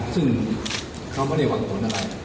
ซึ่งเขาไม่ได้หวังผลอะไร